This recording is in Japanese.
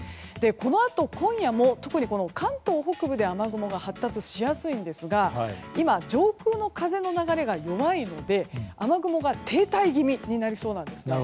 このあと今夜も特に関東北部で雨雲が発達しやすいんですが今、上空の風の流れが弱いので雨雲が停滞気味になりそうなんです。